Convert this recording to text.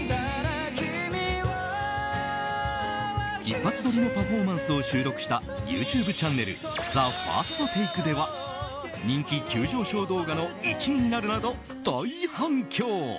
一発撮りのパフォーマンスを収録したＹｏｕＴｕｂｅチャンネルＴＨＥＦＩＲＳＴＴＡＫＥでは人気急上昇動画の１位になるなど大反響。